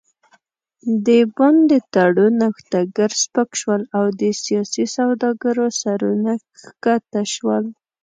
د بن د تړون نوښتګر سپک شول او د سیاسي سوداګرو سرونه ښکته شول.